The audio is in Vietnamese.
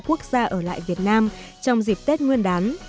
quốc gia ở lại việt nam trong dịp tết nguyên đán